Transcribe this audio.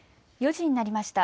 ４時になりました。